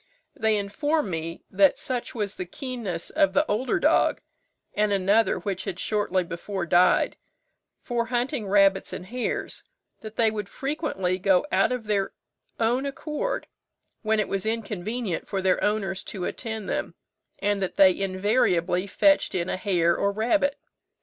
They informed me, that such was the keenness of the older dog, and another which had shortly before died, for hunting rabbits and hares, that they would frequently go out of their own accord, when it was inconvenient for their owners to attend them, and that they invariably fetched in a hare or rabbit.